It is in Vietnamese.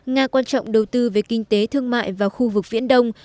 nga quan trọng đầu tư về kinh tế thương mại và khu vực viễn đông